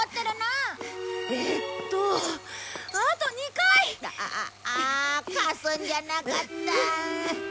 ああ貸すんじゃなかった。